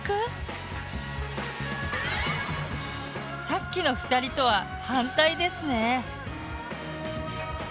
さっきの２人とは反対ですね。